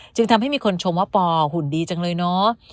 จึงทำให้มีคนชมว่าปอหุ่นดีจังเลยเนาะ